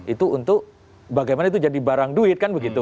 itu untuk bagaimana itu jadi barang duit